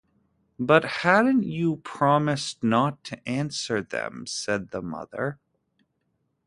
“But hadn’t you promised not to answer them?” said the mother.